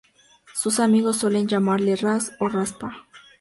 Sus amigos suelen llamarle Ras o Raspa.